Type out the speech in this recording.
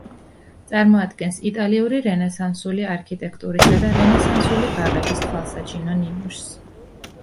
წარმოადგენს იტალიური რენესანსული არქიტექტურისა და რენესანსული ბაღების თვალსაჩინო ნიმუშს.